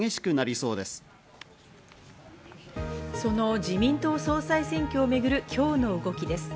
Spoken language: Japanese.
その自民党総裁選挙を巡る、今日の動きです。